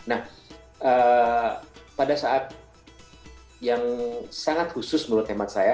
nah pada saat yang sangat khusus menurut hemat saya